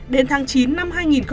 đến tháng chín năm hai nghìn hai mươi ba